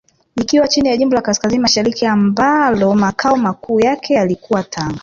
Ikiwa chini ya jimbo la Kaskazini Mashariki ambalo Makao Makuu yake yalikuwa Tanga